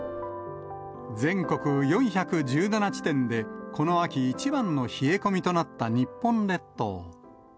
全国４１７地点で、この秋一番の冷え込みとなった日本列島。